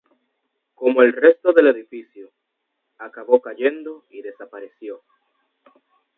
Como el resto del edificio, acabó cayendo y desapareció.